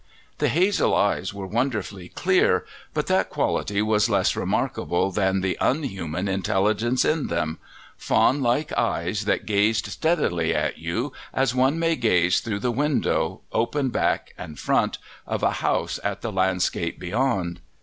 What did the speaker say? The hazel eyes were wonderfully clear, but that quality was less remarkable than the unhuman intelligence in them fawn like eyes that gazed steadily at you as one may gaze through the window, open back and front, of a house at the landscape beyond.